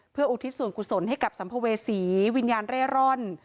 เพื่ออุทิศส่วนกุศลให้กับสัมภเวษีวิญญาณเร่ร่อน